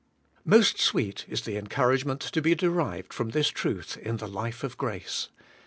Most sweet is the encouragement to be derived from this truth in the life of grace.